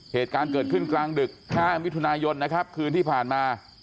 เหตุการณ์เกิดขึ้นกลางดึก๕มิถุนายนนะครับคืนที่ผ่านมา